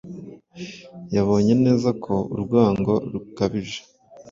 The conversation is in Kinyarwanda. Yabonye neza ko urwango rukabije